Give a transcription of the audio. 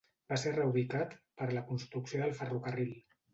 Va ser reubicat per la construcció del ferrocarril.